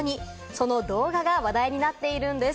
その動画が話題になっているんです。